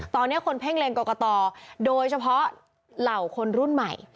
ตอนนี้คนเพ่งเล็งกรกตโดยเฉพาะเหล่าคนรุ่นใหม่